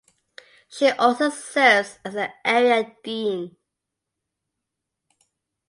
She also serves as the area dean.